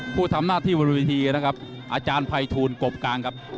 ผู้ทำหน้าที่บนวิธีนะครับอาจารย์ภัยทูลกบกลางครับ